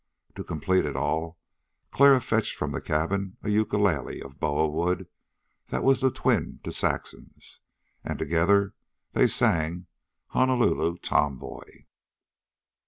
To complete it all, Clara fetched from the cabin an ukulele of boa wood that was the twin to Saxon's, and together they sang "Honolulu Tomboy."